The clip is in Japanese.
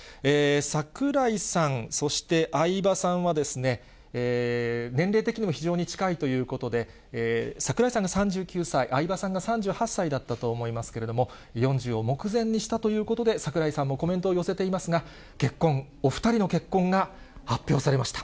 櫻井さん、そして相葉さんは、年齢的にも非常に近いということで、櫻井さんが３９歳、相葉さんが３８歳だったと思いますけれども、４０を目前にしたということで、櫻井さんもコメントを寄せていますが、結婚、お２人の結婚が発表されました。